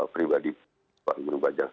pribadi pak guru bajang